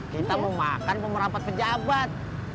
kita mau makan pemerapat pejabat